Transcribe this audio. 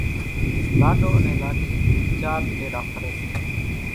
لاڏو انين لاڏِي چار ڦيرا ڦريَ سي۔